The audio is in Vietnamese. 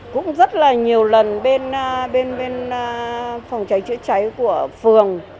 cũng rất là nhiều lần bên phòng cháy chữa cháy của phường